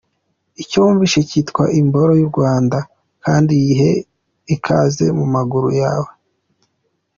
Icyo wumvise cyitwa imboro y’u Rwanda, kandi yihe ikaze mu maguru yawe!.